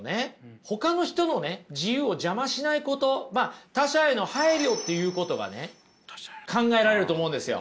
ほかの人のね自由を邪魔しないこと他者への配慮っていうことがね考えられると思うんですよ。